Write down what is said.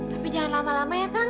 tapi jangan lama lama ya kang